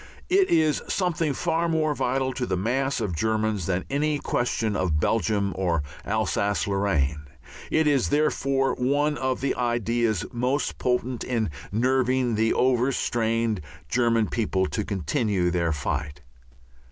It is something far more vital to the mass of Germans than any question of Belgium or Alsace Lorraine. It is, therefore, one of the ideas most potent in nerving the overstrained German people to continue their fight.